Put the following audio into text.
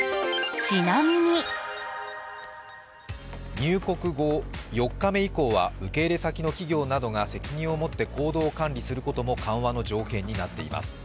入国後４日目以降は受け入れ先の企業などが責任を持って行動管理することも緩和の条件になっています。